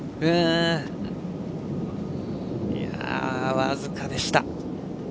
僅かでした。